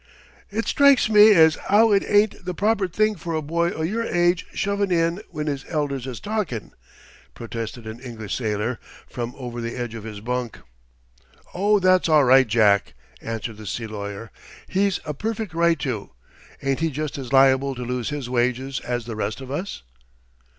"It strikes me as 'ow it ain't the proper thing for a boy o' your age shovin' in when 'is elders is talkin'," protested an English sailor, from over the edge of his bunk. "Oh, that's all right, Jack," answered the sea lawyer. "He's a perfect right to. Ain't he just as liable to lose his wages as the rest of us?"